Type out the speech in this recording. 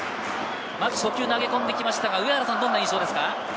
初球、投げ込んできましたが、どんな印象ですか？